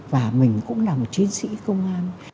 và mình cũng là một chiến sĩ công an